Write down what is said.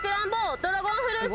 ドラゴンフルーツ。